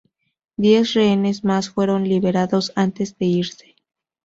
Diez rehenes más fueron liberados antes de irse.